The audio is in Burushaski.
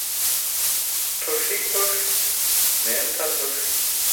Tʰoṣ hik tʰoṣ, meen tʰa tʰoṣ.